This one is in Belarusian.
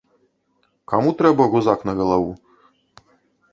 Каму трэба гузак на галаву?